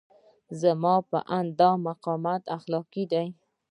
زما په اند دا مقاومت اخلاقي دی.